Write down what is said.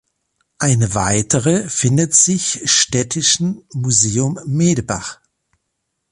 Eine weitere findet sich Städtischen Museum Medebach.